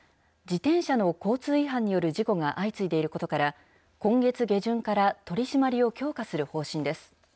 自転車の交通違反による事故が相次いでいることから、今月下旬から取締りを強化する方針です。